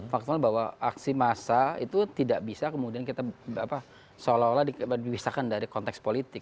faktual bahwa aksi massa itu tidak bisa kemudian kita seolah olah diwisahkan dari konteks politik